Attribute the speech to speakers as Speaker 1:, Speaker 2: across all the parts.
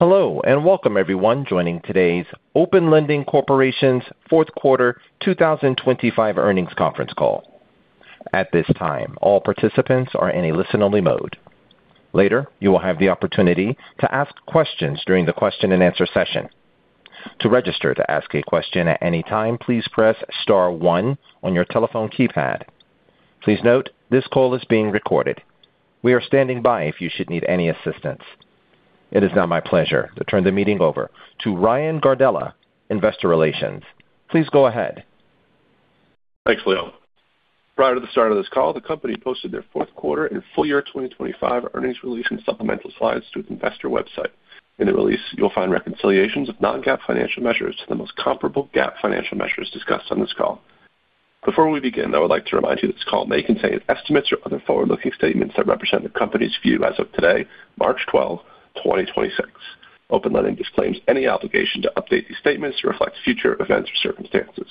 Speaker 1: Hello and welcome everyone joining today's Open Lending Corporation's Fourth Quarter 2025 Earnings Conference Call. At this time, all participants are in a listen-only mode. Later, you will have the opportunity to ask questions during the question and answer session. To register to ask a question at any time, please press star one on your telephone keypad. Please note this call is being recorded. We are standing by if you should need any assistance. It is now my pleasure to turn the meeting over to Ryan Gardella, Investor Relations. Please go ahead.
Speaker 2: Thanks Leo. Prior to the start of this call, the company posted their fourth quarter and full year 2025 earnings release and supplemental slides to its investor website. In the release, you'll find reconciliations of non-GAAP financial measures to the most comparable GAAP financial measures discussed on this call. Before we begin, I would like to remind you this call may contain estimates or other forward-looking statements that represent the company's view as of today, March 12, 2026. Open Lending disclaims any obligation to update these statements to reflect future events or circumstances.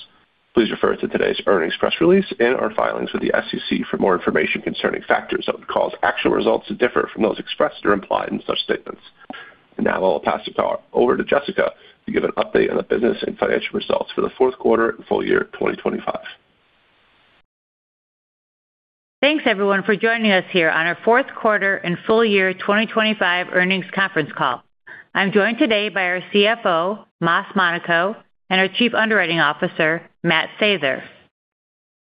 Speaker 2: Please refer to today's earnings press release and our filings with the SEC for more information concerning factors that would cause actual results to differ from those expressed or implied in such statements. Now I'll pass the call over to Jessica to give an update on the business and financial results for the fourth quarter and full year 2025.
Speaker 3: Thanks everyone for joining us here on our fourth quarter and full year 2025 earnings conference call. I'm joined today by our CFO; Massimo Monaco, and our Chief Underwriting Officer; Matt Sather.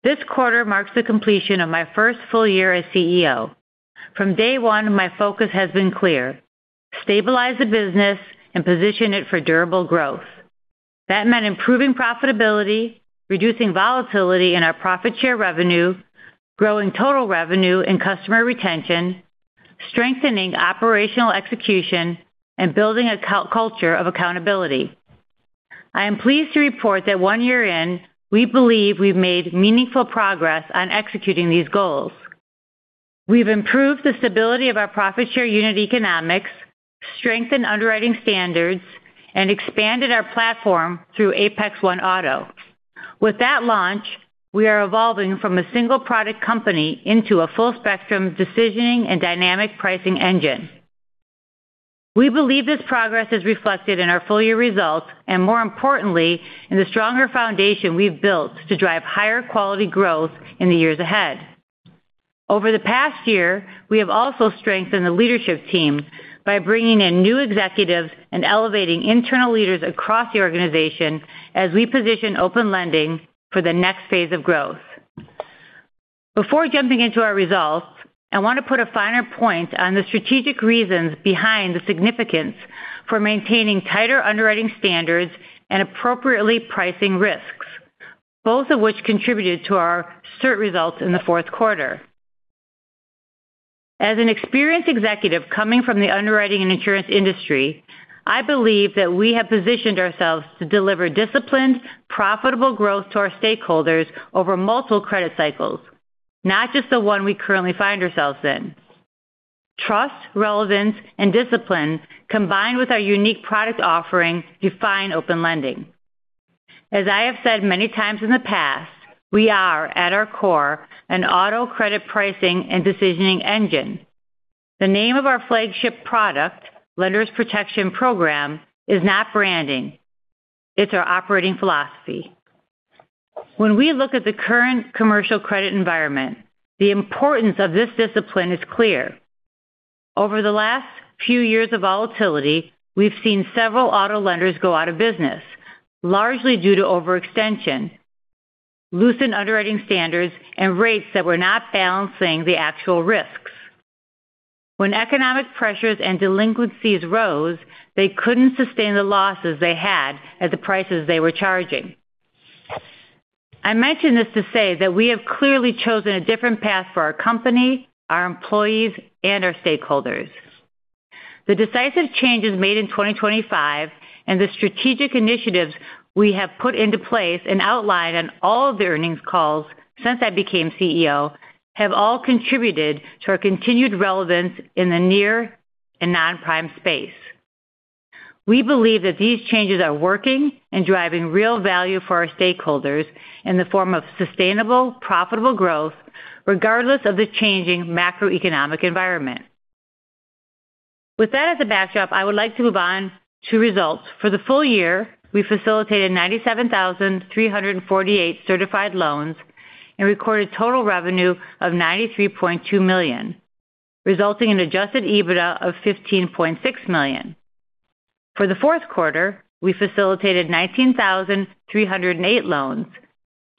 Speaker 3: This quarter marks the completion of my first full year as CEO. From day one, my focus has been clear: stabilize the business and position it for durable growth. That meant improving profitability, reducing volatility in our profit share revenue, growing total revenue and customer retention, strengthening operational execution, and building a culture of accountability. I am pleased to report that one year in, we believe we've made meaningful progress on executing these goals. We've improved the stability of our profit share unit economics, strengthened underwriting standards, and expanded our platform through ApexOne Auto. With that launch, we are evolving from a single product company into a full spectrum decisioning and dynamic pricing engine. We believe this progress is reflected in our full-year results and, more importantly, in the stronger foundation we've built to drive higher quality growth in the years ahead. Over the past year, we have also strengthened the leadership team by bringing in new executives and elevating internal leaders across the organization as we position Open Lending for the next phase of growth. Before jumping into our results, I want to put a finer point on the strategic reasons behind the significance for maintaining tighter underwriting standards and appropriately pricing risks, both of which contributed to our cert results in the fourth quarter. As an experienced executive coming from the underwriting and insurance industry, I believe that we have positioned ourselves to deliver disciplined, profitable growth to our stakeholders over multiple credit cycles, not just the one we currently find ourselves in. Trust, relevance, and discipline combined with our unique product offering define Open Lending. As I have said many times in the past, we are, at our core, an auto credit pricing and decisioning engine. The name of our flagship product, Lenders Protection Program, is not branding. It's our operating philosophy. When we look at the current commercial credit environment, the importance of this discipline is clear. Over the last few years of volatility, we've seen several auto lenders go out of business, largely due to overextension, loosened underwriting standards, and rates that were not balancing the actual risks. When economic pressures and delinquencies rose, they couldn't sustain the losses they had at the prices they were charging. I mention this to say that we have clearly chosen a different path for our company, our employees, and our stakeholders. The decisive changes made in 2025 and the strategic initiatives we have put into place and outlined on all of the earnings calls since I became CEO have all contributed to our continued relevance in the near and non-prime space. We believe that these changes are working and driving real value for our stakeholders in the form of sustainable, profitable growth regardless of the changing macroeconomic environment. With that as a backdrop, I would like to move on to results. For the full year, we facilitated 97,348 certified loans and recorded total revenue of $93.2 million, resulting in adjusted EBITDA of $15.6 million. For the fourth quarter, we facilitated 19,308 loans,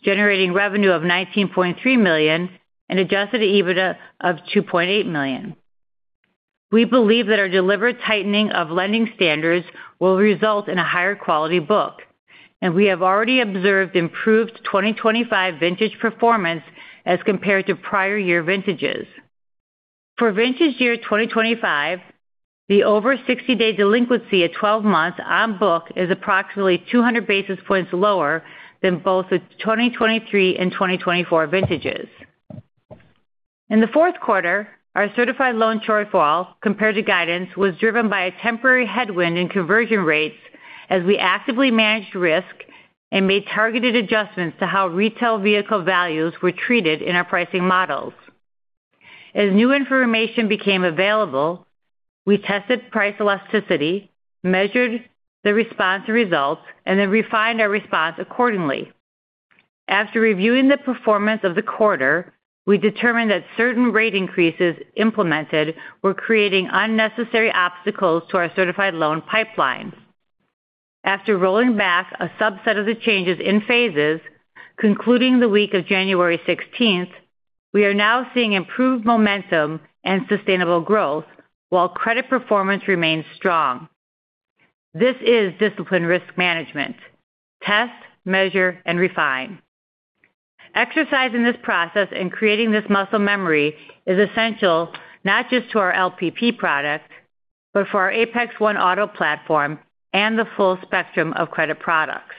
Speaker 3: generating revenue of $19.3 million and adjusted EBITDA of $2.8 million. We believe that our deliberate tightening of lending standards will result in a higher quality book and we have already observed improved 2025 vintage performance as compared to prior year vintages. For vintage year 2025, the over 60-day delinquency at 12 months on book is approximately 200 basis points lower than both the 2023 and 2024 vintages. In the fourth quarter, our certified loan shortfall compared to guidance was driven by a temporary headwind in conversion rates as we actively managed risk and made targeted adjustments to how retail vehicle values were treated in our pricing models. As new information became available, we tested price elasticity, measured the response results, and then refined our response accordingly. After reviewing the performance of the quarter, we determined that certain rate increases implemented were creating unnecessary obstacles to our certified loan pipeline. After rolling back a subset of the changes in phases, concluding the week of January sixteenth, we are now seeing improved momentum and sustainable growth while credit performance remains strong. This is disciplined risk management, test, measure, and refine. Exercising this process and creating this muscle memory is essential not just to our LPP product, but for our ApexOne Auto platform and the full spectrum of credit products.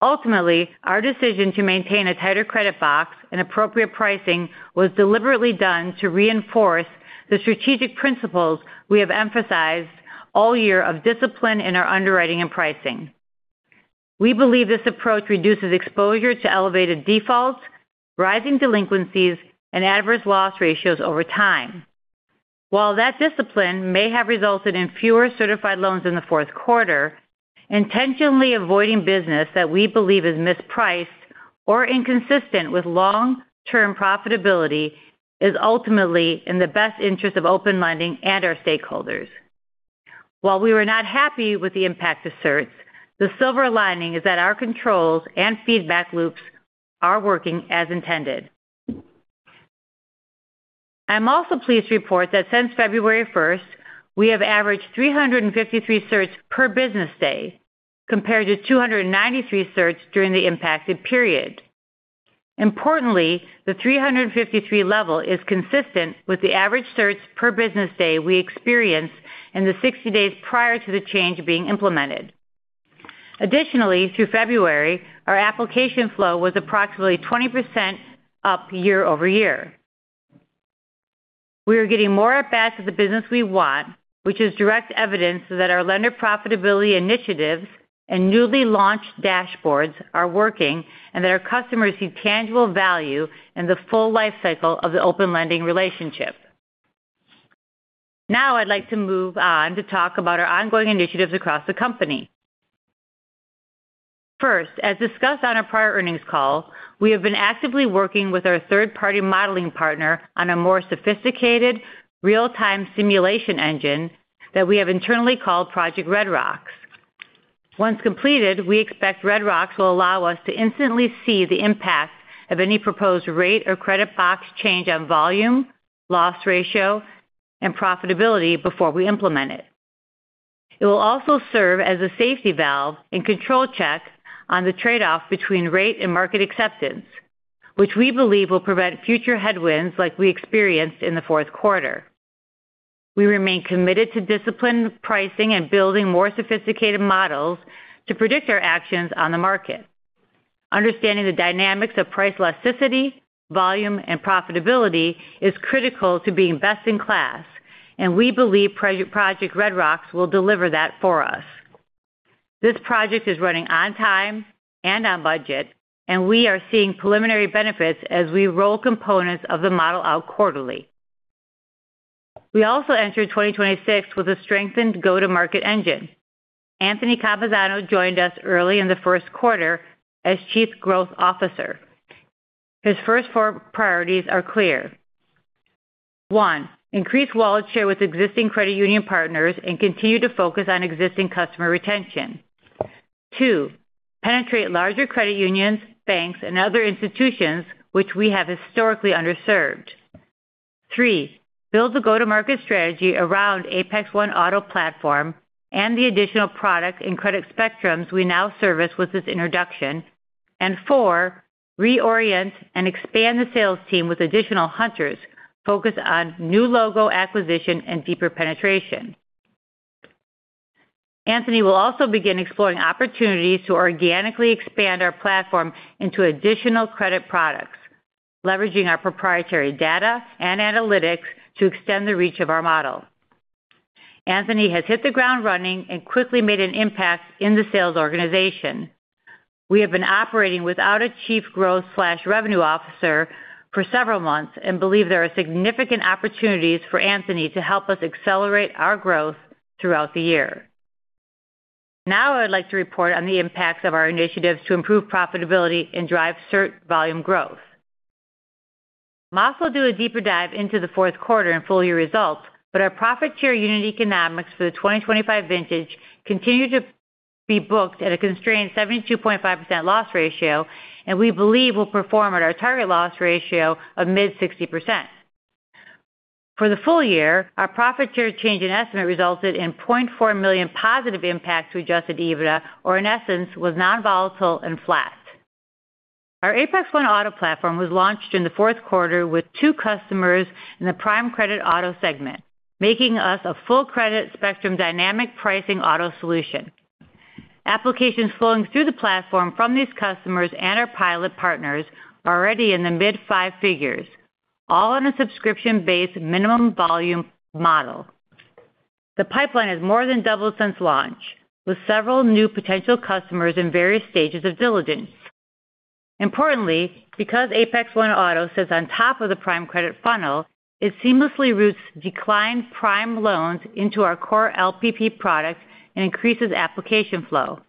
Speaker 3: Ultimately, our decision to maintain a tighter credit box and appropriate pricing was deliberately done to reinforce the strategic principles we have emphasized all year of discipline in our underwriting and pricing. We believe this approach reduces exposure to elevated defaults, rising delinquencies, and adverse loss ratios over time. While that discipline may have resulted in fewer certified loans in the fourth quarter, intentionally avoiding business that we believe is mispriced or inconsistent with long-term profitability is ultimately in the best interest of Open Lending and our stakeholders. While we were not happy with the impact of certs, the silver lining is that our controls and feedback loops are working as intended. I'm also pleased to report that since February first, we have averaged 353 certs per business day compared to 293 certs during the impacted period. Importantly, the 353 level is consistent with the average certs per business day we experienced in the 60 days prior to the change being implemented. Additionally, through February, our application flow was approximately 20% up year-over-year. We are getting more at bats as the business we want, which is direct evidence that our lender profitability initiatives and newly launched dashboards are working, and that our customers see tangible value in the full life cycle of the Open Lending relationship. Now I'd like to move on to talk about our ongoing initiatives across the company. First, as discussed on our prior earnings call, we have been actively working with our third-party modeling partner on a more sophisticated real-time simulation engine that we have internally called Project Red Rocks. Once completed, we expect Red Rocks will allow us to instantly see the impact of any proposed rate or credit box change on volume, loss ratio, and profitability before we implement it. It will also serve as a safety valve and control check on the trade-off between rate and market acceptance, which we believe will prevent future headwinds like we experienced in the fourth quarter. We remain committed to disciplined pricing and building more sophisticated models to predict our actions on the market. Understanding the dynamics of price elasticity, volume, and profitability is critical to being best in class, and we believe Project Red Rocks will deliver that for us. This project is running on time and on budget, and we are seeing preliminary benefits as we roll components of the model out quarterly. We also entered 2026 with a strengthened go-to-market engine. Anthony Campuzano joined us early in the first quarter as Chief Growth Officer. His first four priorities are clear. One, increase wallet share with existing credit union partners and continue to focus on existing customer retention. Two, penetrate larger credit unions, banks, and other institutions which we have historically underserved. Three, build the go-to-market strategy around ApexOne Auto platform and the additional products and credit spectrums we now service with this introduction. Four, reorient and expand the sales team with additional hunters focused on new logo acquisition and deeper penetration. Anthony will also begin exploring opportunities to organically expand our platform into additional credit products, leveraging our proprietary data and analytics to extend the reach of our model. Anthony has hit the ground running and quickly made an impact in the sales organization. We have been operating without a Chief Growth Officer for several months and believe there are significant opportunities for Anthony to help us accelerate our growth throughout the year. Now I would like to report on the impacts of our initiatives to improve profitability and drive cert volume growth. I'll also do a deeper dive into the fourth quarter and full year results, but our profit share unit economics for the 2025 vintage continue to be booked at a constrained 72.5% loss ratio, and we believe will perform at our target loss ratio of mid-60%. For the full year, our profit share change in estimate resulted in $0.4 million positive impact to adjusted EBITDA, or in essence, was non-volatile and flat. Our ApexOne Auto platform was launched in the fourth quarter with two customers in the prime credit auto segment, making us a full credit spectrum dynamic pricing auto solution. Applications flowing through the platform from these customers and our pilot partners are already in the mid five figures, all on a subscription-based minimum volume model. The pipeline has more than doubled since launch, with several new potential customers in various stages of diligence. Importantly, because ApexOne Auto sits on top of the prime credit funnel, it seamlessly routes declined prime loans into our core LPP product and increases application flow.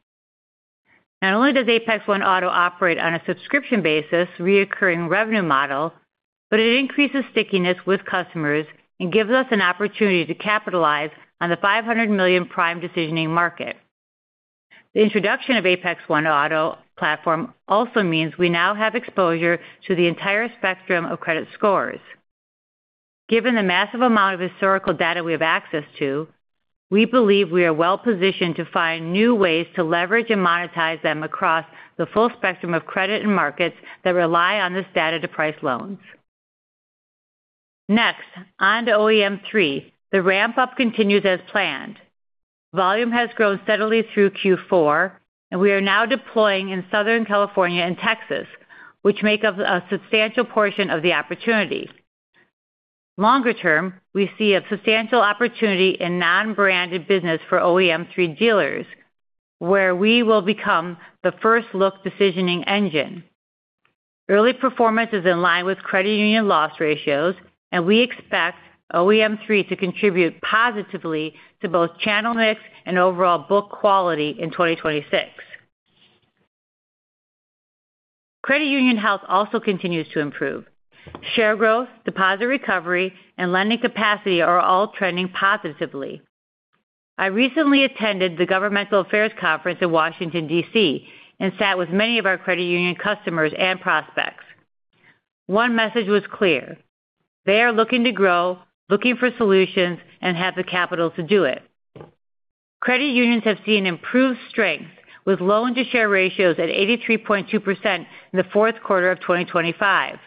Speaker 3: Not only does ApexOne Auto operate on a subscription basis recurring revenue model but it increases stickiness with customers and gives us an opportunity to capitalize on the $500 million prime decisioning market. The introduction of ApexOne Auto platform also means we now have exposure to the entire spectrum of credit scores. Given the massive amount of historical data we have access to, we believe we are well-positioned to find new ways to leverage and monetize them across the full spectrum of credit and markets that rely on this data to price loans. Next, on to OEM Three. The ramp-up continues as planned. Volume has grown steadily through Q4, and we are now deploying in Southern California and Texas, which make up a substantial portion of the opportunity. Longer term, we see a substantial opportunity in non-branded business for OEM 3 dealers, where we will become the first look decisioning engine. Early performance is in line with credit union loss ratios, and we expect OEM Three to contribute positively to both channel mix and overall book quality in 2026. Credit union health also continues to improve. Share growth, deposit recovery, and lending capacity are all trending positively. I recently attended the Governmental Affairs Conference in Washington, D.C., and sat with many of our credit union customers and prospects. One message was clear: they are looking to grow, looking for solutions, and have the capital to do it. Credit unions have seen improved strength with loan-to-share ratios at 83.2% in the fourth quarter of 2025.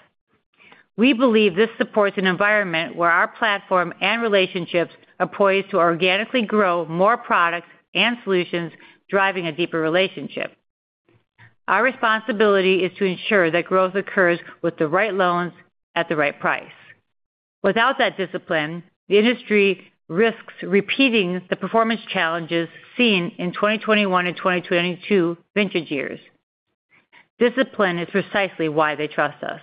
Speaker 3: We believe this supports an environment where our platform and relationships are poised to organically grow more products and solutions, driving a deeper relationship. Our responsibility is to ensure that growth occurs with the right loans at the right price. Without that discipline, the industry risks repeating the performance challenges seen in 2021 and 2022 vintage years. Discipline is precisely why they trust us.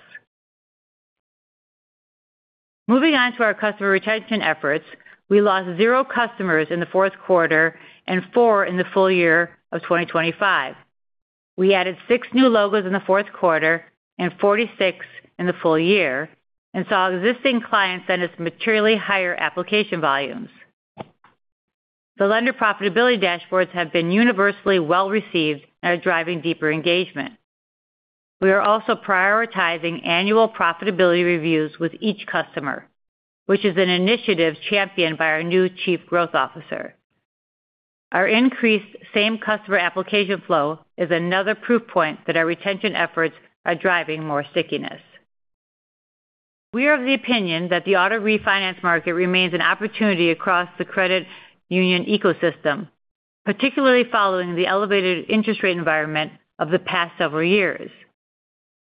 Speaker 3: Moving on to our customer retention efforts, we lost 0 customers in the fourth quarter and four in the full year of 2025. We added six new logos in the fourth quarter and 46 in the full year and saw existing clients send us materially higher application volumes. The lender profitability dashboards have been universally well-received and are driving deeper engagement. We are also prioritizing annual profitability reviews with each customer, which is an initiative championed by our new Chief Growth Officer. Our increased same customer application flow is another proof point that our retention efforts are driving more stickiness. We are of the opinion that the auto refinance market remains an opportunity across the credit union ecosystem, particularly following the elevated interest rate environment of the past several years.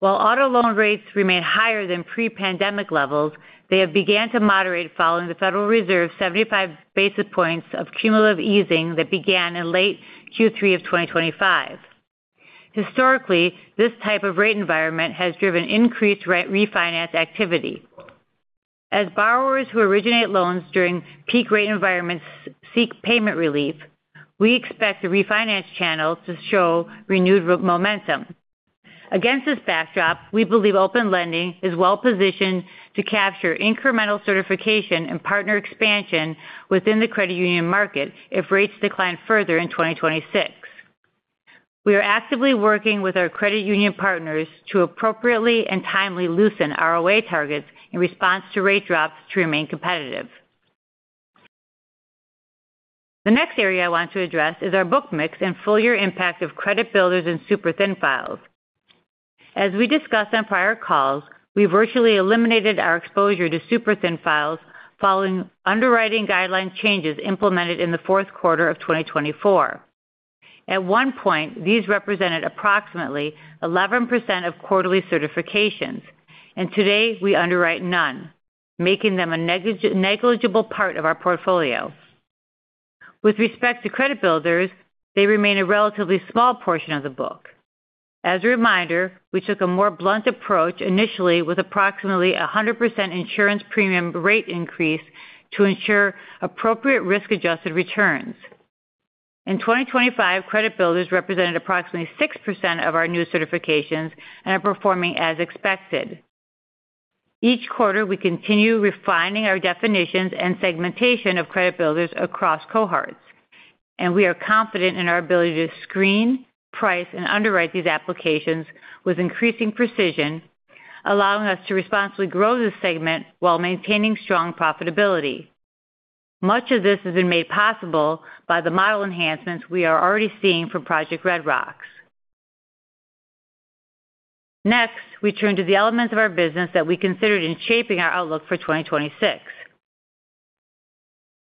Speaker 3: While auto loan rates remain higher than pre-pandemic levels, they have began to moderate following the Federal Reserve's 75 basis points of cumulative easing that began in late Q3 of 2025. Historically, this type of rate environment has driven increased re-refinance activity. As borrowers who originate loans during peak rate environments seek payment relief, we expect the refinance channels to show renewed momentum. Against this backdrop, we believe Open Lending is well-positioned to capture incremental certification and partner expansion within the credit union market if rates decline further in 2026. We are actively working with our credit union partners to appropriately and timely loosen ROA targets in response to rate drops to remain competitive. The next area I want to address is our book mix and full year impact of credit builders and super thin files. As we discussed on prior calls, we virtually eliminated our exposure to super thin files following underwriting guideline changes implemented in the fourth quarter of 2024. At one point, these represented approximately 11% of quarterly certifications, and today we underwrite none, making them a negligible part of our portfolio. With respect to credit builders, they remain a relatively small portion of the book. As a reminder, we took a more blunt approach initially with approximately 100% insurance premium rate increase to ensure appropriate risk-adjusted returns. In 2025, credit builders represented approximately 6% of our new certifications and are performing as expected. Each quarter, we continue refining our definitions and segmentation of credit builders across cohorts, and we are confident in our ability to screen, price, and underwrite these applications with increasing precision, allowing us to responsibly grow this segment while maintaining strong profitability. Much of this has been made possible by the model enhancements we are already seeing from Project Red Rocks. Next, we turn to the elements of our business that we considered in shaping our outlook for 2026.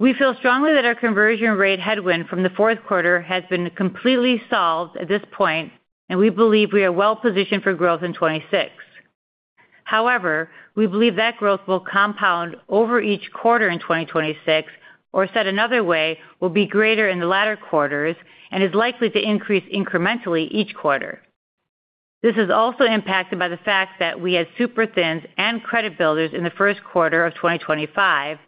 Speaker 3: We feel strongly that our conversion rate headwind from the fourth quarter has been completely solved at this point, and we believe we are well positioned for growth in 2026. However, we believe that growth will compound over each quarter in 2026, or said another way, will be greater in the latter quarters and is likely to increase incrementally each quarter. This is also impacted by the fact that we had super thins and credit builders in the first quarter of 2025,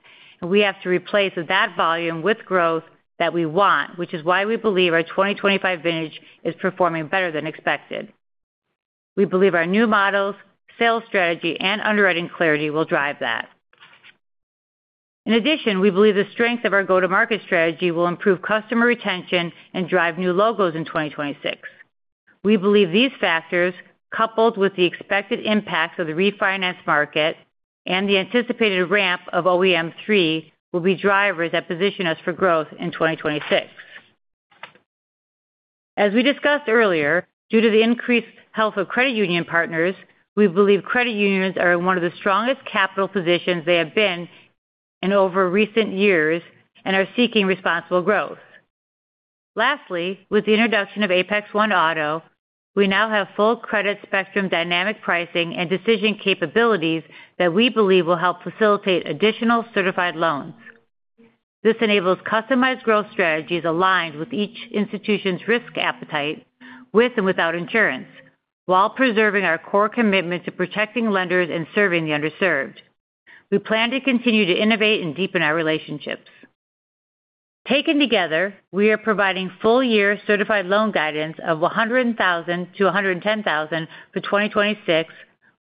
Speaker 3: and we have to replace that volume with growth that we want, which is why we believe our 2025 vintage is performing better than expected. We believe our new models, sales strategy, and underwriting clarity will drive that. In addition, we believe the strength of our go-to-market strategy will improve customer retention and drive new logos in 2026. We believe these factors, coupled with the expected impacts of the refinance market and the anticipated ramp of OEM 3, will be drivers that position us for growth in 2026. As we discussed earlier, due to the increased health of credit union partners, we believe credit unions are in one of the strongest capital positions they have been in over recent years and are seeking responsible growth. Lastly, with the introduction of ApexOne Auto, we now have full credit spectrum dynamic pricing and decision capabilities that we believe will help facilitate additional certified loans. This enables customized growth strategies aligned with each institution's risk appetite with and without insurance while preserving our core commitment to protecting lenders and serving the underserved. We plan to continue to innovate and deepen our relationships. Taken together, we are providing full-year certified loan guidance of 100,000-110,000 for 2026,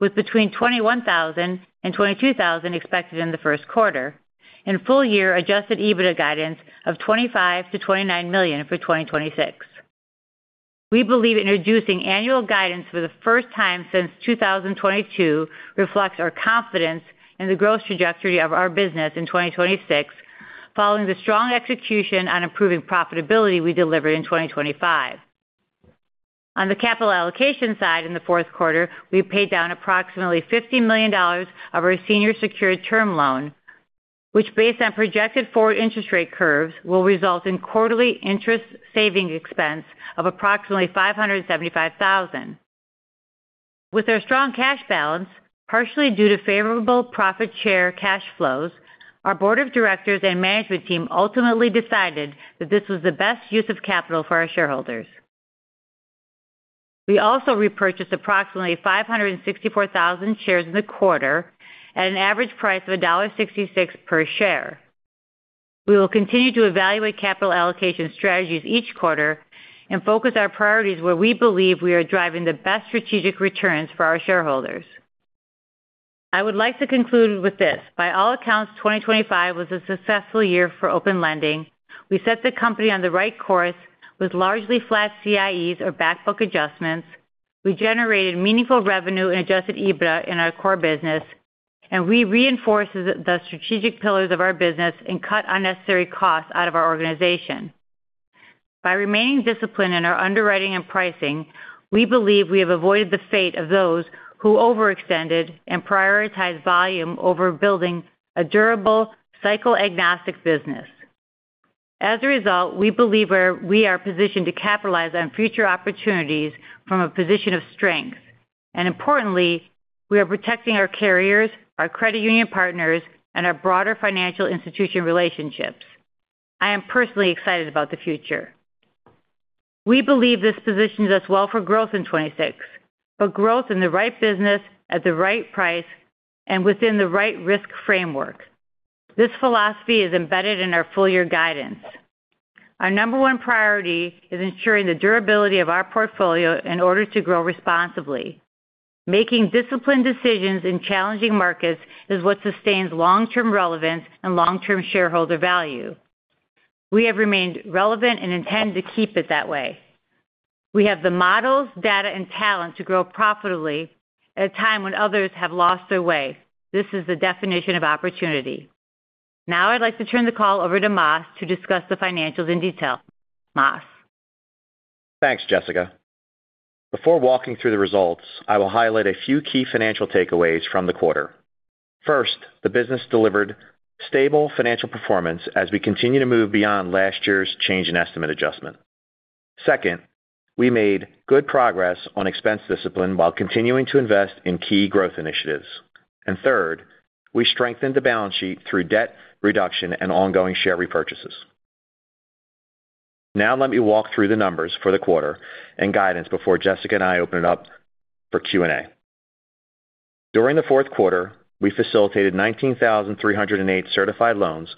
Speaker 3: with between 21,000 and 22,000 expected in the first quarter, and full-year Adjusted EBITDA guidance of $25 million-$29 million for 2026. We believe introducing annual guidance for the first time since 2022 reflects our confidence in the growth trajectory of our business in 2026 following the strong execution on improving profitability we delivered in 2025. On the capital allocation side in the fourth quarter, we paid down approximately $50 million of our senior secured term loan, which based on projected forward interest rate curves, will result in quarterly interest savings expense of approximately $575,000. With our strong cash balance, partially due to favorable profit share cash flows, our board of directors and management team ultimately decided that this was the best use of capital for our shareholders. We also repurchased approximately 564,000 shares in the quarter at an average price of $66 per share. We will continue to evaluate capital allocation strategies each quarter and focus our priorities where we believe we are driving the best strategic returns for our shareholders. I would like to conclude with this. By all accounts, 2025 was a successful year for Open Lending. We set the company on the right course with largely flat CIEs or back book adjustments. We generated meaningful revenue and adjusted EBITDA in our core business, and we reinforced the strategic pillars of our business and cut unnecessary costs out of our organization. By remaining disciplined in our underwriting and pricing, we believe we have avoided the fate of those who overextended and prioritized volume over building a durable cycle-agnostic business. As a result, we believe we are positioned to capitalize on future opportunities from a position of strength. Importantly, we are protecting our carriers, our credit union partners, and our broader financial institution relationships. I am personally excited about the future. We believe this positions us well for growth in 2026, but growth in the right business at the right price and within the right risk framework. This philosophy is embedded in our full year guidance. Our number one priority is ensuring the durability of our portfolio in order to grow responsibly. Making disciplined decisions in challenging markets is what sustains long-term relevance and long-term shareholder value. We have remained relevant and intend to keep it that way. We have the models, data, and talent to grow profitably at a time when others have lost their way. This is the definition of opportunity. Now I'd like to turn the call over to Mass to discuss the financials in detail. Mass.
Speaker 4: Thanks Jessica. Before walking through the results, I will highlight a few key financial takeaways from the quarter. First, the business delivered stable financial performance as we continue to move beyond last year's change in estimate adjustment. Second, we made good progress on expense discipline while continuing to invest in key growth initiatives. Third, we strengthened the balance sheet through debt reduction and ongoing share repurchases. Now let me walk through the numbers for the quarter and guidance before Jessica and I open it up for Q&A. During the fourth quarter, we facilitated 19,308 certified loans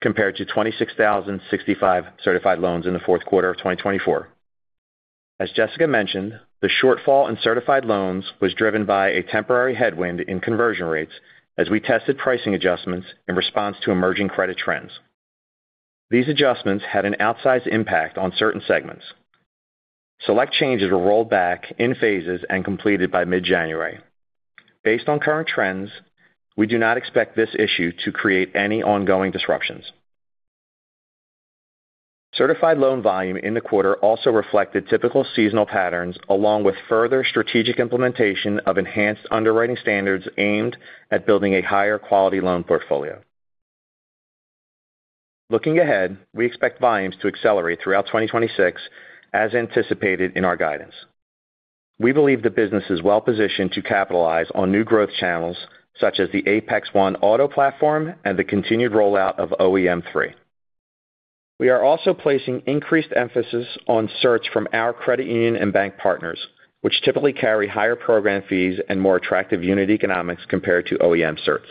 Speaker 4: compared to 26,065 certified loans in the fourth quarter of 2024. As Jessica mentioned, the shortfall in certified loans was driven by a temporary headwind in conversion rates as we tested pricing adjustments in response to emerging credit trends. These adjustments had an outsized impact on certain segments. Select changes were rolled back in phases and completed by mid-January. Based on current trends, we do not expect this issue to create any ongoing disruptions. Certified loan volume in the quarter also reflected typical seasonal patterns along with further strategic implementation of enhanced underwriting standards aimed at building a higher quality loan portfolio. Looking ahead, we expect volumes to accelerate throughout 2026 as anticipated in our guidance. We believe the business is well-positioned to capitalize on new growth channels such as the ApexOne Auto platform and the continued rollout of OEM 3. We are also placing increased emphasis on sourcing from our credit union and bank partners, which typically carry higher program fees and more attractive unit economics compared to OEM certs.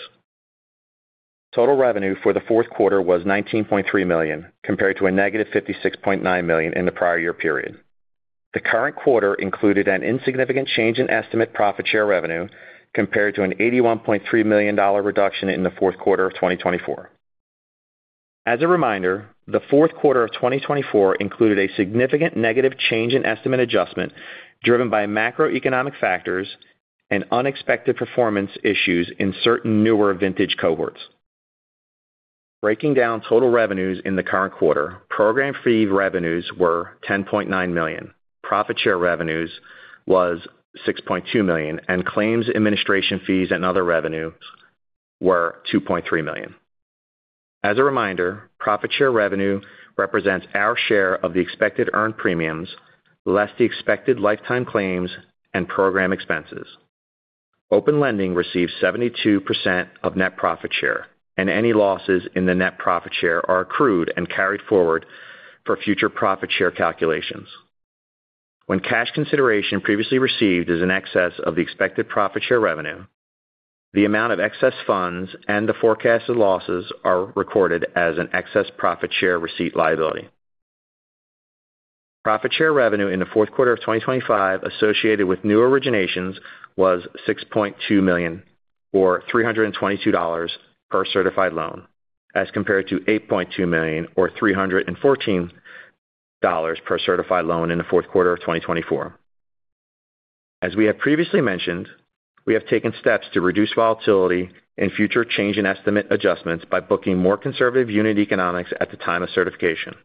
Speaker 4: Total revenue for the fourth quarter was $19.3 million, compared to -$56.9 million in the prior year period. The current quarter included an insignificant change in estimate profit share revenue compared to an $81.3 million dollar reduction in the fourth quarter of 2024. As a reminder, the fourth quarter of 2024 included a significant negative change in estimate adjustment driven by macroeconomic factors and unexpected performance issues in certain newer vintage cohorts. Breaking down total revenues in the current quarter, program fee revenues were $10.9 million. Profit share revenues was $6.2 million, and claims, administration fees, and other revenues were $2.3 million. As a reminder, profit share revenue represents our share of the expected earned premiums less the expected lifetime claims and program expenses. Open Lending receives 72% of net profit share, and any losses in the net profit share are accrued and carried forward for future profit share calculations. When cash consideration previously received is in excess of the expected profit share revenue, the amount of excess funds and the forecasted losses are recorded as an excess profit share receipt liability. Profit share revenue in the fourth quarter of 2025 associated with new originations was $6.2 million or $322 per certified loan, as compared to $8.2 million or $314 per certified loan in the fourth quarter of 2024. As we have previously mentioned, we have taken steps to reduce volatility in future Change in Estimate adjustments by booking more conservative unit economics at the time of certification.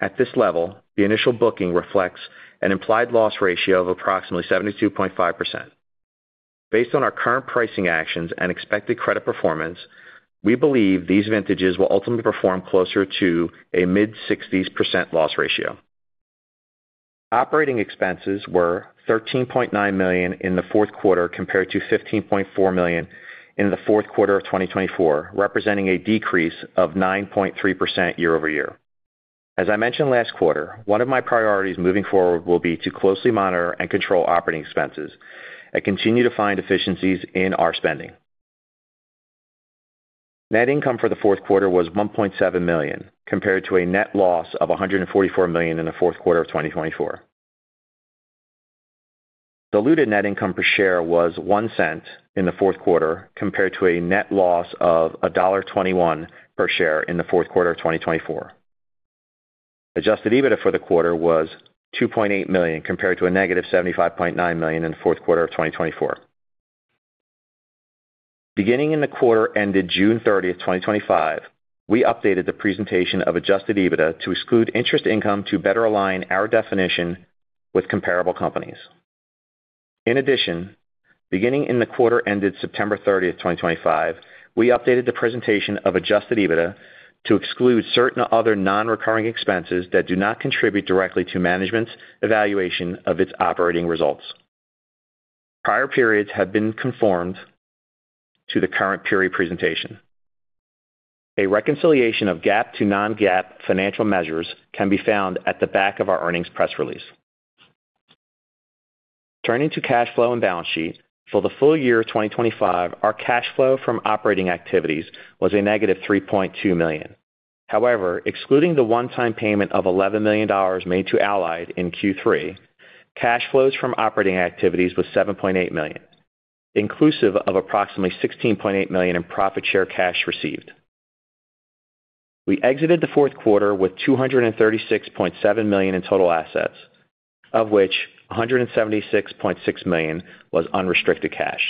Speaker 4: At this level, the initial booking reflects an implied loss ratio of approximately 72.5%. Based on our current pricing actions and expected credit performance, we believe these vintages will ultimately perform closer to a mid-60s% loss ratio. Operating expenses were $13.9 million in the fourth quarter compared to $15.4 million in the fourth quarter of 2024, representing a decrease of 9.3% year over year. As I mentioned last quarter, one of my priorities moving forward will be to closely monitor and control operating expenses and continue to find efficiencies in our spending. Net income for the fourth quarter was $1.7 million, compared to a net loss of $144 million in the fourth quarter of 2024. Diluted net income per share was $0.01 in the fourth quarter, compared to a net loss of $1.21 per share in the fourth quarter of 2024. Adjusted EBITDA for the quarter was $2.8 million compared to -$75.9 million in the fourth quarter of 2024. Beginning in the quarter ended June 30, 2025, we updated the presentation of Adjusted EBITDA to exclude interest income to better align our definition with comparable companies. In addition, beginning in the quarter ended September 30, 2025, we updated the presentation of Adjusted EBITDA to exclude certain other non-recurring expenses that do not contribute directly to management's evaluation of its operating results. Prior periods have been conformed to the current period presentation. A reconciliation of GAAP to non-GAAP financial measures can be found at the back of our earnings press release. Turning to cash flow and balance sheet. For the full year of 2025, our cash flow from operating activities was -$3.2 million. However, excluding the one-time payment of $11 million made to Allied in Q3, cash flows from operating activities was $7.8 million, inclusive of approximately $16.8 million in profit share cash received. We exited the fourth quarter with $236.7 million in total assets, of which $176.6 million was unrestricted cash.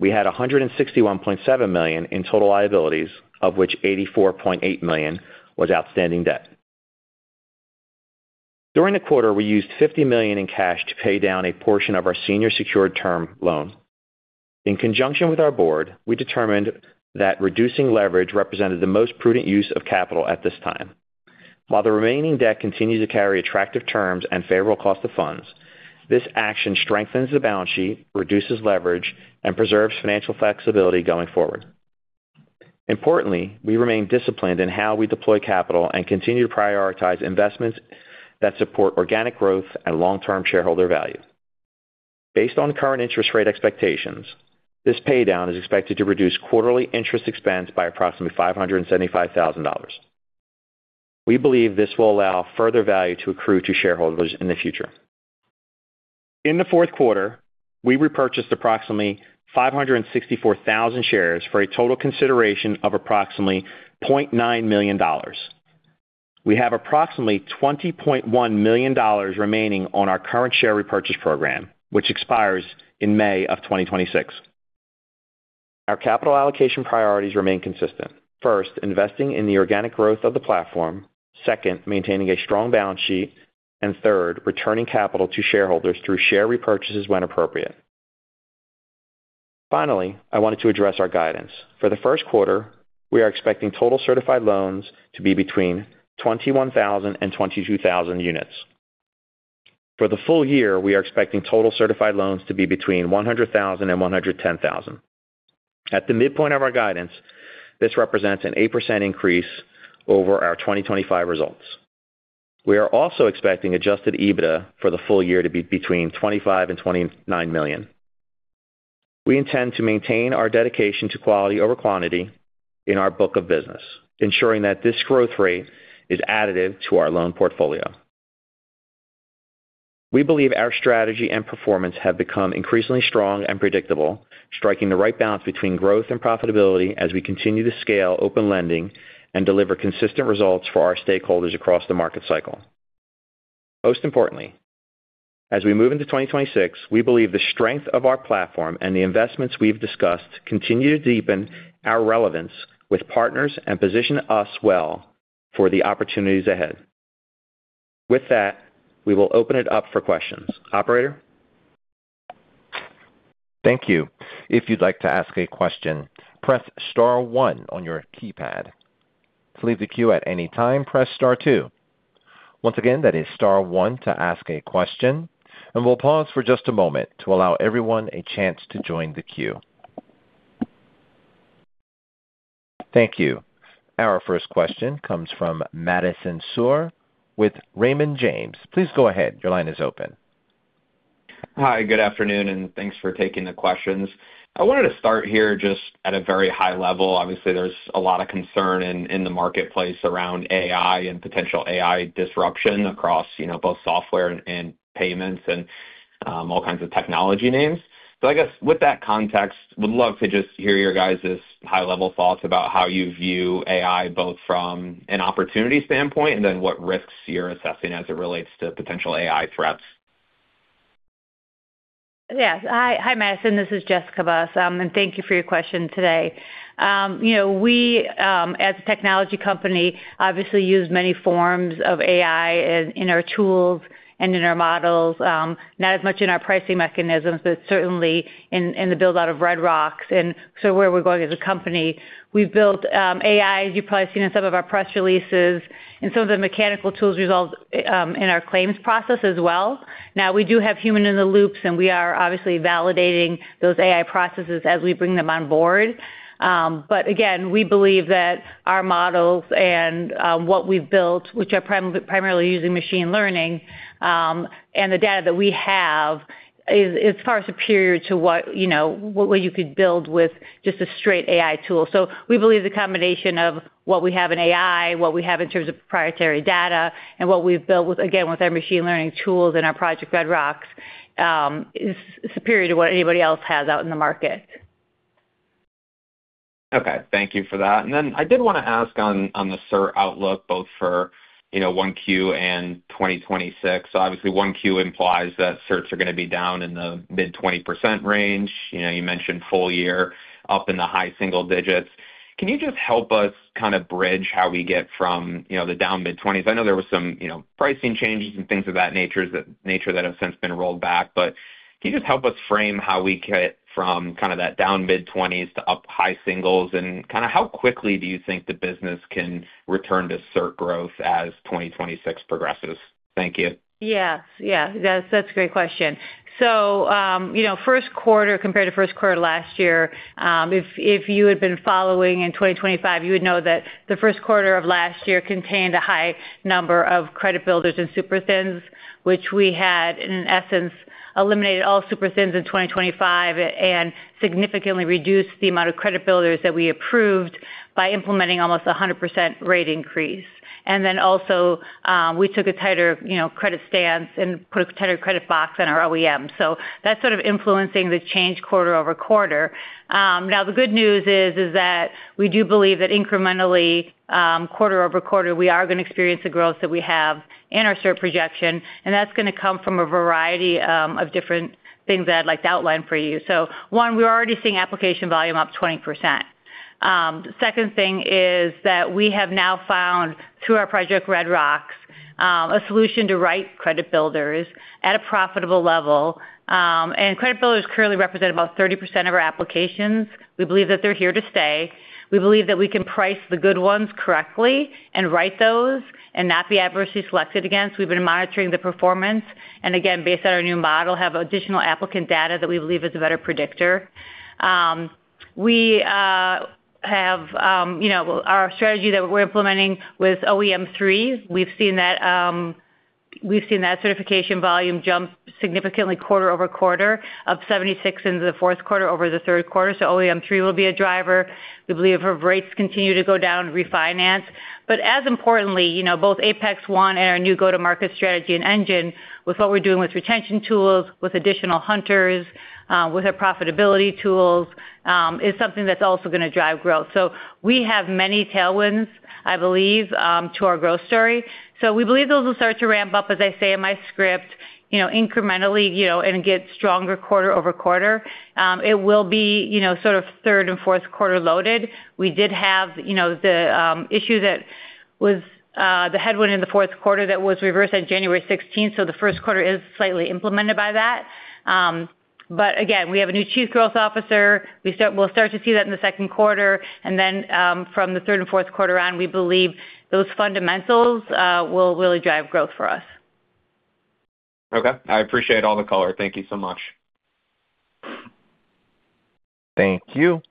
Speaker 4: We had $161.7 million in total liabilities, of which $84.8 million was outstanding debt. During the quarter, we used $50 million in cash to pay down a portion of our senior secured term loan. In conjunction with our board, we determined that reducing leverage represented the most prudent use of capital at this time. While the remaining debt continues to carry attractive terms and favorable cost of funds, this action strengthens the balance sheet, reduces leverage, and preserves financial flexibility going forward. Importantly, we remain disciplined in how we deploy capital and continue to prioritize investments that support organic growth and long-term shareholder value. Based on current interest rate expectations, this paydown is expected to reduce quarterly interest expense by approximately $575,000. We believe this will allow further value to accrue to shareholders in the future. In the fourth quarter, we repurchased approximately 564,000 shares for a total consideration of approximately $0.9 million. We have approximately $20.1 million remaining on our current share repurchase program, which expires in May 2026. Our capital allocation priorities remain consistent. First, investing in the organic growth of the platform. Second, maintaining a strong balance sheet. Third, returning capital to shareholders through share repurchases when appropriate. Finally, I wanted to address our guidance. For the first quarter, we are expecting total certified loans to be between 21,000 and 22,000 units. For the full year, we are expecting total certified loans to be between 100,000 and 110,000. At the midpoint of our guidance, this represents an 8% increase over our 2025 results. We are also expecting adjusted EBITDA for the full year to be between $25million-$29 million. We intend to maintain our dedication to quality over quantity in our book of business, ensuring that this growth rate is additive to our loan portfolio. We believe our strategy and performance have become increasingly strong and predictable, striking the right balance between growth and profitability as we continue to scale Open Lending and deliver consistent results for our stakeholders across the market cycle. Most importantly, as we move into 2026, we believe the strength of our platform and the investments we've discussed continue to deepen our relevance with partners and position us well for the opportunities ahead. With that, we will open it up for questions. Operator?
Speaker 1: Thank you. If you'd like to ask a question, press star one on your keypad. To leave the queue at any time, press star two. Once again, that is star one to ask a question, and we'll pause for just a moment to allow everyone a chance to join the queue. Thank you. Our first question comes from Madison Suhr with Raymond James. Please go ahead. Your line is open.
Speaker 5: Hi, good afternoon and thanks for taking the questions. I wanted to start here just at a very high level. Obviously, there's a lot of concern in the marketplace around AI and potential AI disruption across, you know, both software and payments and all kinds of technology names. I guess with that context, would love to just hear your guys' high-level thoughts about how you view AI both from an opportunity standpoint and then what risks you're assessing as it relates to potential AI threats?
Speaker 3: Yes. Hi Madison, this is Jessica Buss and thank you for your question today. You know, we, as a technology company obviously use many forms of AI in our tools and in our models, not as much in our pricing mechanisms, but certainly in the build out of Red Rocks and so where we're going as a company. We've built AI, as you've probably seen in some of our press releases, and some of the mechanical tools results in our claims process as well. Now, we do have human in the loops, and we are obviously validating those AI processes as we bring them on board. Again, we believe that our models and what we've built, which are primarily using machine learning, and the data that we have is far superior to what you know what you could build with just a straight AI tool. We believe the combination of what we have in AI, what we have in terms of proprietary data, and what we've built with again our machine learning tools and our Project Red Rocks is superior to what anybody else has out in the market.
Speaker 5: Okay, thank you for that. Then I did want to ask on the cert outlook both for, you know, 1Q and 2026. Obviously 1Q implies that certs are going to be down in the mid-20% range. You know, you mentioned full year up in the high single digits. Can you just help us kind of bridge how we get from, you know, the down mid-20s? I know there was some, you know, pricing changes and things of that nature that have since been rolled back. Can you just help us frame how we get from kind of that down mid-20s to up high singles? Kind of how quickly do you think the business can return to cert growth as 2026 progresses? Thank you.
Speaker 3: Yes, that's a great question. You know, first quarter compared to first quarter last year, if you had been following in 2025, you would know that the first quarter of last year contained a high number of credit builders and super thins, which we had in essence eliminated all super thins in 2025 and significantly reduced the amount of credit builders that we approved by implementing almost 100% rate increase. We took a tighter, you know, credit stance and put a tighter credit box on our OEM. That's sort of influencing the change quarter-over-quarter. Now the good news is that we do believe that incrementally, quarter-over-quarter, we are going to experience the growth that we have in our cert projection, and that's going to come from a variety, of different things that I'd like to outline for you. One, we're already seeing application volume up 20%. Second thing is that we have now found through our Project Red Rocks, a solution to write credit builders at a profitable level. Credit builders currently represent about 30% of our applications. We believe that they're here to stay. We believe that we can price the good ones correctly and write those and not be adversely selected against. We've been monitoring the performance and again, based on our new model, have additional applicant data that we believe is a better predictor. We have, you know, our strategy that we're implementing with OEM 3. We've seen that certification volume jump significantly quarter-over-quarter of 76% into the fourth quarter over the third quarter, OEM 3 will be a driver. We believe if rates continue to go down, refinance. As importantly, you know, both ApexOne and our new go-to-market strategy and engine with what we're doing with retention tools, with additional hunters, with our profitability tools, is something that's also going to drive growth. We have many tailwinds, I believe, to our growth story. We believe those will start to ramp up, as I say in my script, you know, incrementally, you know, and get stronger quarter-over-quarter. It will be, you know, sort of third and fourth quarter loaded. We did have, you know, the issue that was the headwind in the fourth quarter that was reversed on January sixteenth. The first quarter is slightly impacted by that. Again, we have a new Chief Growth Officer. We'll start to see that in the second quarter. From the third and fourth quarter on, we believe those fundamentals will really drive growth for us.
Speaker 5: Okay. I appreciate all the color, thank you so much.
Speaker 1: Thank you.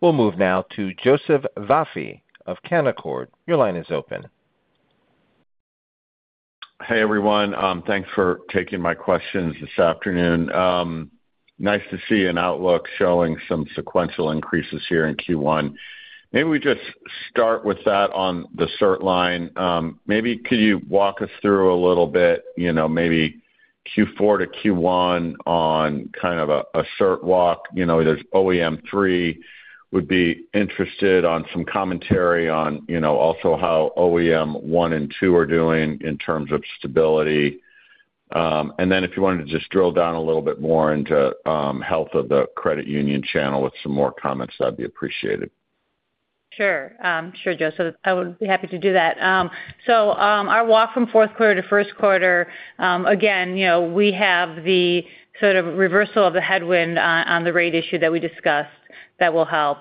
Speaker 1: We'll move now to Joseph Vafi of Canaccord. Your line is open.
Speaker 6: Hey everyone, thanks for taking my questions this afternoon. Nice to see an outlook showing some sequential increases here in Q1. Maybe we just start with that on the certs line. Maybe could you walk us through a little bit, you know, maybe Q4 to Q1 on kind of a certs walk. You know, there's OEM 3. I'd be interested in some commentary on, you know, also how OEM 1 and 2 are doing in terms of stability. And then if you wanted to just drill down a little bit more into health of the credit union channel with some more comments, that'd be appreciated.
Speaker 3: Sure Joseph, I would be happy to do that. Our walk from fourth quarter to first quarter, again, you know, we have the sort of reversal of the headwind on the rate issue that we discussed that will help.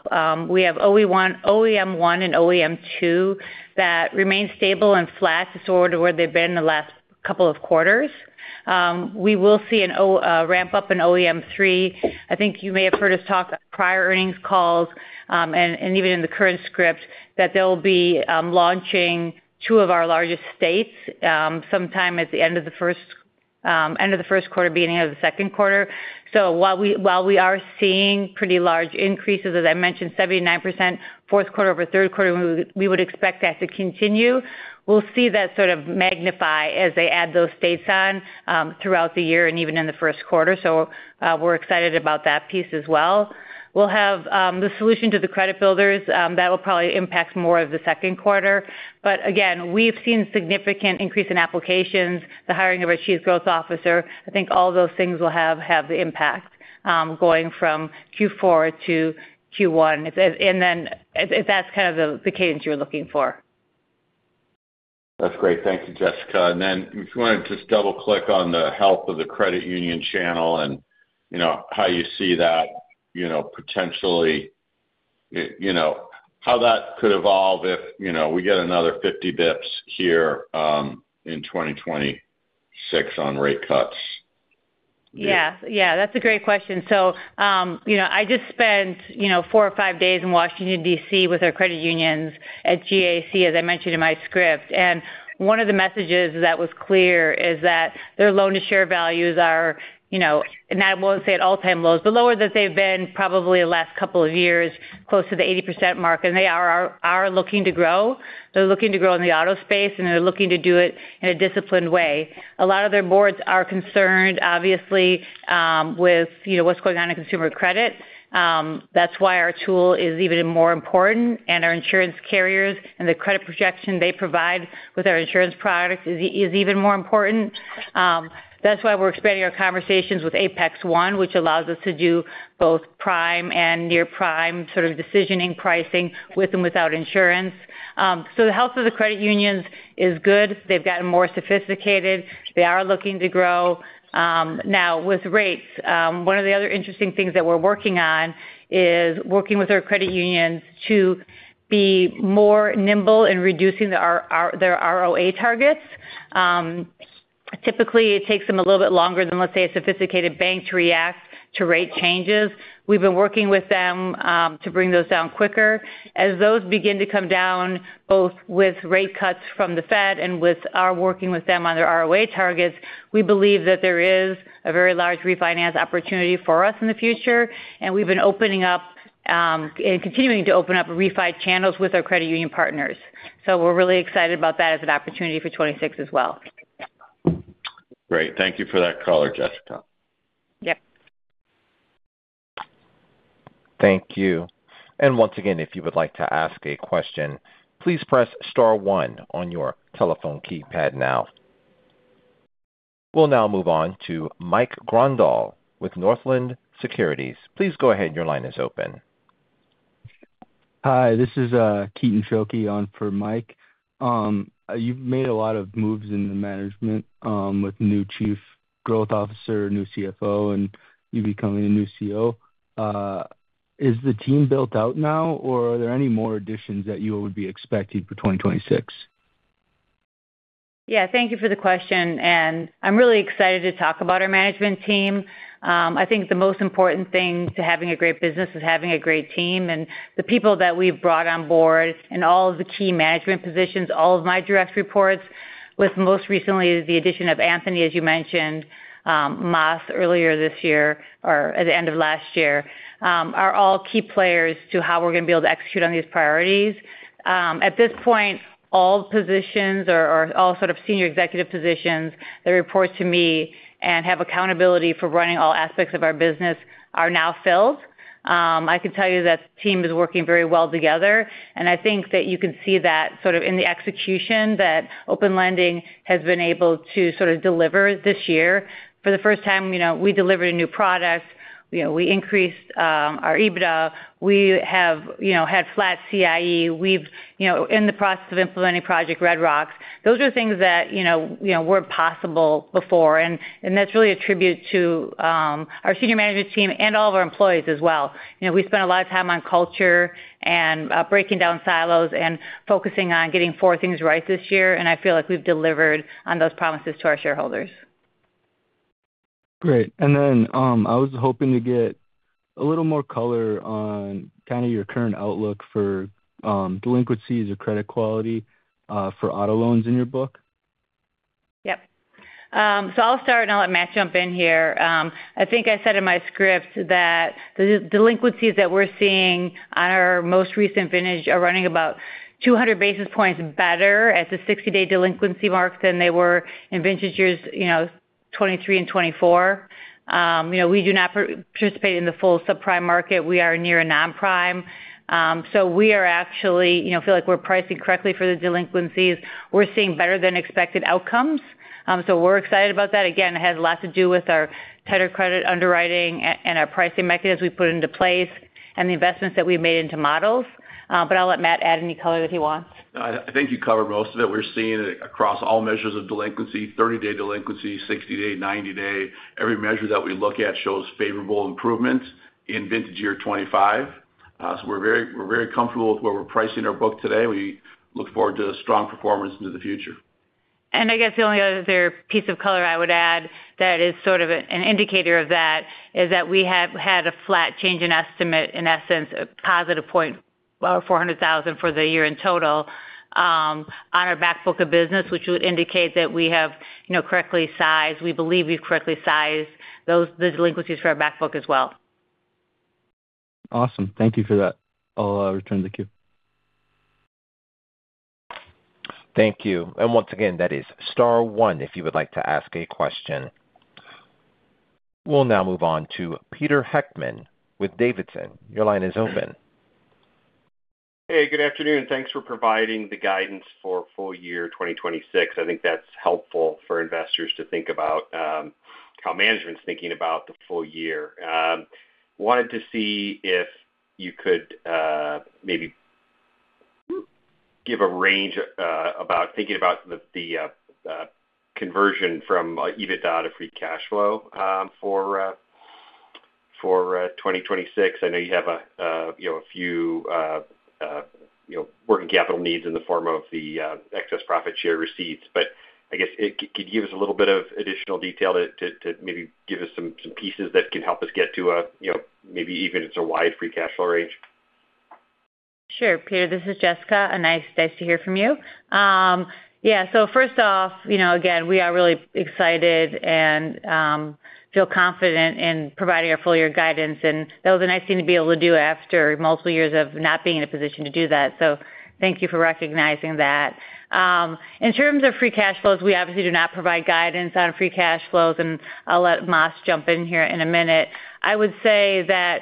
Speaker 3: We have OEM 1 and OEM 2 that remain stable and flat. Where they've been in the last couple of quarters. We will see a ramp up in OEM Three. I think you may have heard us talk prior earnings calls, and even in the current script, that they'll be launching two of our largest states, sometime at the end of the first quarter, beginning of the second quarter. While we are seeing pretty large increases, as I mentioned, 79% fourth quarter over third quarter, we would expect that to continue. We'll see that sort of magnify as they add those states on throughout the year and even in the first quarter. We're excited about that piece as well. We'll have the solution to the credit builders that will probably impact more of the second quarter. Again, we've seen significant increase in applications, the hiring of our Chief Growth Officer. I think all those things will have the impact going from Q4 to Q1. If that's kind of the cadence you're looking for.
Speaker 6: That's great, thank you Jessica. If you want to just double-click on the health of the credit union channel and you know, how you see that, you know, potentially, you know, how that could evolve if, you know, we get another 50 basis points here in 2026 on rate cuts?
Speaker 3: Yeah, that's a great question. You know, I just spent, you know, four or five days in Washington, D.C. with our credit unions at GAC, as I mentioned in my script. One of the messages that was clear is that their loan-to-share values are, you know, and I won't say at all-time lows, but lower than they've been probably the last couple of years, close to the 80% mark. They are looking to grow. They're looking to grow in the auto space, and they're looking to do it in a disciplined way. A lot of their boards are concerned, obviously, with, you know, what's going on in consumer credit. That's why our tool is even more important. Our insurance carriers and the credit projection they provide with our insurance products is even more important. That's why we're expanding our conversations with ApexOne, which allows us to do both prime and near-prime sort of decisioning pricing with and without insurance. The health of the credit unions is good. They've gotten more sophisticated. They are looking to grow. Now with rates, one of the other interesting things that we're working on is working with our credit unions to be more nimble in reducing their ROA targets. Typically it takes them a little bit longer than, let's say, a sophisticated bank to react to rate changes. We've been working with them to bring those down quicker. As those begin to come down, both with rate cuts from the Fed and with our working with them on their ROA targets, we believe that there is a very large refinance opportunity for us in the future, and we've been opening up and continuing to open up refi channels with our credit union partners. We're really excited about that as an opportunity for 2026 as well.
Speaker 6: Great, thank you for that color Jessica.
Speaker 3: Yep.
Speaker 1: Thank you. Once again, if you would like to ask a question, please press star one on your telephone keypad now. We'll now move on to Mike Grondahl with Northland Securities. Please go ahead. Your line is open.
Speaker 7: Hi, this is Keaton Schuelke on for Mike. You've made a lot of moves in the management with new Chief Growth Officer, new CFO, and you becoming a new CEO. Is the team built out now, or are there any more additions that you would be expecting for 2026?
Speaker 3: Yeah, thank you for the question, and I'm really excited to talk about our management team. I think the most important thing to having a great business is having a great team. The people that we've brought on board in all of the key management positions, all of my direct reports, with most recently the addition of Anthony, as you mentioned, MAAS earlier this year or at the end of last year, are all key players to how we're gonna be able to execute on these priorities. At this point, all senior executive positions that report to me and have accountability for running all aspects of our business are now filled. I can tell you that the team is working very well together, and I think that you can see that sort of in the execution that Open Lending has been able to sort of deliver this year. For the first time, you know, we delivered a new product, you know, we increased our EBITDA. We have, you know, had flat CIE. We have been in the process of implementing Project Red Rocks. Those are things that, you know, weren't possible before, and that's really a tribute to our senior management team and all of our employees as well. You know, we spent a lot of time on culture and, breaking down silos and focusing on getting four things right this year, and I feel like we've delivered on those promises to our shareholders.
Speaker 7: Great. I was hoping to get a little more color on kinda your current outlook for delinquencies or credit quality for auto loans in your book.
Speaker 3: Yep. I'll start and I'll let Matt jump in here. I think I said in my script that the delinquencies that we're seeing on our most recent vintage are running about 200 basis points better at the 60-day delinquency mark than they were in vintage years, you know, 2023 and 2024. You know, we do not participate in the full subprime market. We are near a non-prime. We are actually, you know, feel like we're pricing correctly for the delinquencies. We're seeing better than expected outcomes, we're excited about that. Again, it has lots to do with our tighter credit underwriting and our pricing mechanisms we put into place and the investments that we've made into models. I'll let Matt add any color that he wants.
Speaker 8: No, I think you covered most of it. We're seeing across all measures of delinquency, 30-day delinquency, 60-day, 90-day. Every measure that we look at shows favorable improvements in vintage year 2025. We're very comfortable with where we're pricing our book today. We look forward to strong performance into the future.
Speaker 3: I guess the only other piece of color I would add that is sort of an indicator of that is that we have had a flat change in estimate, in essence, a positive $400,000 for the year in total, on our back book of business, which would indicate that we have, you know, we believe we've correctly sized those delinquencies for our back book as well.
Speaker 7: Awesome. Thank you for that, I'll return the queue.
Speaker 1: Thank you. Once again, that is star one if you would like to ask a question. We'll now move on to Pete Heckmann with D.A. Davidson. Your line is open.
Speaker 9: Hey good afternoon, thanks for providing the guidance for full year 2026. I think that's helpful for investors to think about how management's thinking about the full year. Wanted to see if you could maybe give a range about thinking about the conversion from EBITDA to free cash flow for 2026. I know you have a you know a few you know working capital needs in the form of the excess profit share receipts. I guess could you give us a little bit of additional detail to maybe give us some pieces that can help us get to a you know maybe even it's a wide free cash flow range?
Speaker 3: Sure Peter. This is Jessica and nice to hear from you. Yeah, so first off, you know, again, we are really excited and feel confident in providing our full year guidance, and that was a nice thing to be able to do after multiple years of not being in a position to do that. Thank you for recognizing that. In terms of free cash flows, we obviously do not provide guidance on free cash flows, and I'll let Matt Sather jump in here in a minute. I would say that,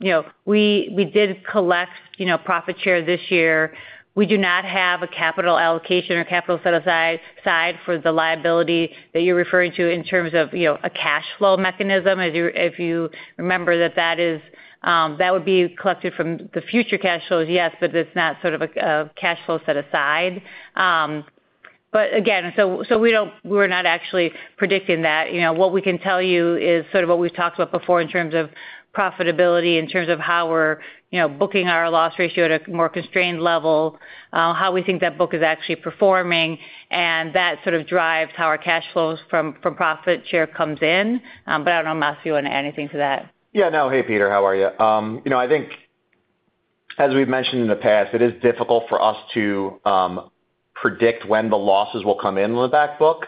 Speaker 3: you know, we did collect, you know, profit share this year. We do not have a capital allocation or capital set aside for the liability that you're referring to in terms of, you know, a cash flow mechanism. If you remember that is collected from the future cash flows, yes, but it's not sort of a cash flow set aside. But again, so we're not actually predicting that. You know, what we can tell you is sort of what we've talked about before in terms of profitability, in terms of how we're booking our loss ratio at a more constrained level, how we think that book is actually performing, and that sort of drives how our cash flows from profit share comes in. But I don't know, Matt, if you want to add anything to that.
Speaker 8: Yeah, no. Hey Peter, how are you? You know, I think as we've mentioned in the past, it is difficult for us to predict when the losses will come in with back book.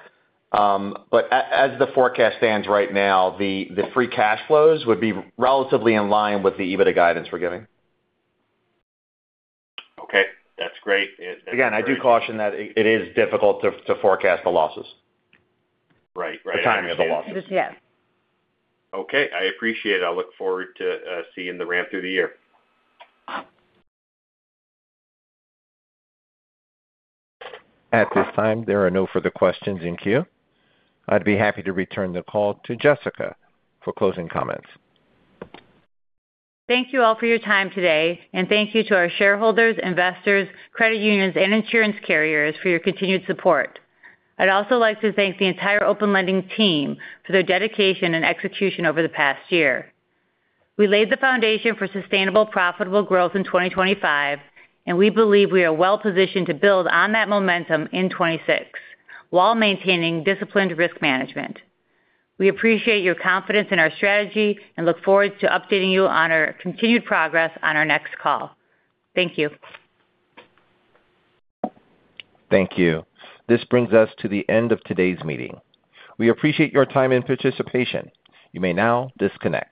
Speaker 8: As the forecast stands right now, the free cash flows would be relatively in line with the EBITDA guidance we're giving.
Speaker 9: Okay, that's great.
Speaker 8: Again, I do caution that it is difficult to forecast the losses.
Speaker 9: Right.
Speaker 8: The timing of the losses.
Speaker 3: It is, yes.
Speaker 9: Okay, I appreciate it. I look forward to seeing the ramp through the year.
Speaker 1: At this time, there are no further questions in queue. I'd be happy to return the call to Jessica for closing comments.
Speaker 3: Thank you all for your time today and thank you to our shareholders, investors, credit unions, and insurance carriers for your continued support. I'd also like to thank the entire Open Lending team for their dedication and execution over the past year. We laid the foundation for sustainable, profitable growth in 2025, and we believe we are well positioned to build on that momentum in 2026 while maintaining disciplined risk management. We appreciate your confidence in our strategy and look forward to updating you on our continued progress on our next call. Thank you.
Speaker 1: Thank you. This brings us to the end of today's meeting. We appreciate your time and participation. You may now disconnect.